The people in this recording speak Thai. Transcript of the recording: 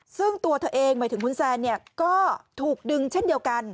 ซึ่งตัวเธอเองหมายถึงคุณแซนเนี่ยก็ถูกดึงเช่นเดียวกัน